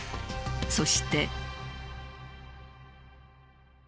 そして。